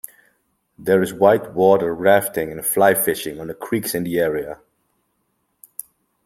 There is white water rafting and fly fishing on the creeks in the area.